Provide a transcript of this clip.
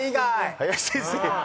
林先生。